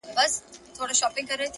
که پر در دي د یار دغه سوال قبلېږي,